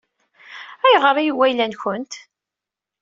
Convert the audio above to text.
Ayɣer i yewwi ayla-nkent?